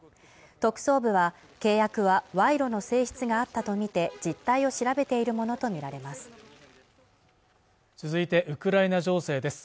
特捜部は契約は賄賂の性質があったとみて実態を調べているものと見られます